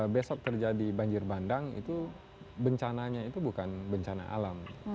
besok terjadi banjir bandang itu bencananya itu bukan bencana alam